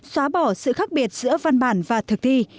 xóa bỏ sự khác biệt giữa văn bản và thực thi